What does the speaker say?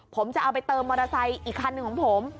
ผมจะเอาไปเติมมอเตอร์ไซค์อีกคันหนึ่งของผม